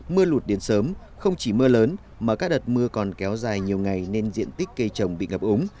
mưa lụt đến sớm không chỉ mưa lớn mà các đợt mưa còn kéo dài nhiều ngày nên diện tích cây trồng bị ngập úng